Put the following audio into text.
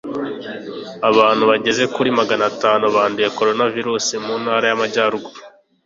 abantu bagera kuri maganatanu banduye koronavirusi muntara y’amajyaruguru